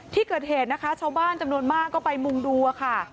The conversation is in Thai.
ที่เกิดเหตุนะคะชาวบ้านจำนวนมากก็ไปมุ่งดูค่ะ